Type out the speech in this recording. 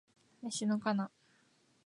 西野カナ